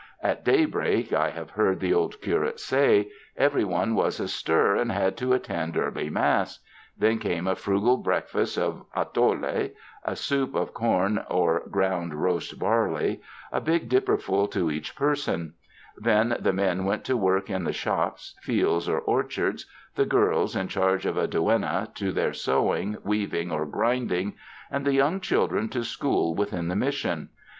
At daybreak, I have heard the old curate say, everyone was astir and had to attend early mass; then came a frugal breakfast of atole, a soup of corn or ground roast barley, a big dipperf ul to each person ; then the men went to work in the shops, fields or orchards, the girls, in charge of a duenna, to their sewing, weav ing or grinding and the young children to school within the Mission.